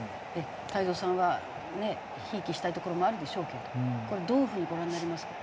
太蔵さんはひいきしたいところもあるでしょうけれどこれどういう風にご覧になりますか？